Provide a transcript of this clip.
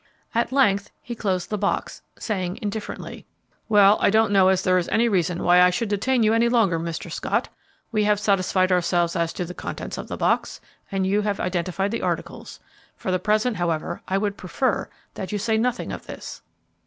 At length he closed the box, saying, indifferently, "Well, I don't know as there is any reason why I should detain you any longer, Mr. Scott. We have satisfied ourselves as to the contents of the box, and you have identified the articles. For the present, however, I would prefer that you say nothing of this."